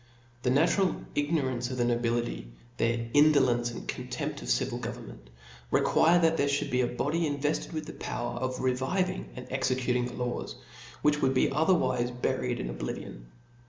The natural ignorance of the nobility, their indolence, and con tempt of civil government, require there (hould be a body invefted with a power of reviving and exe cuting the laws, which would be otherwife buried in oblivion.